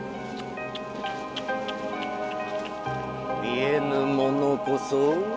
見えぬものこそ。